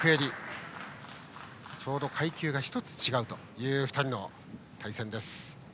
ちょうど階級が１つ違うという２人の対戦です。